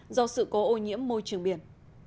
do sự cố ô nhiễm môi trường biển